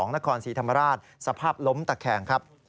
นครศรีธรรมราชสภาพล้มตะแคงครับ